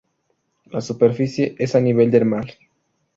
La superficie es a nivel del mar.